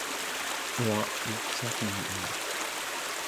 Or; What's happening aft?